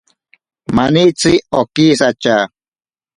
Manitsi okisatya.